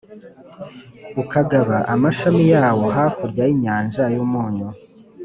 ukagaba amashami yawo hakurya y’inyanja y’Umunyu.